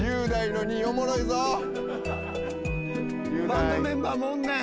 バンドメンバーもおんねん！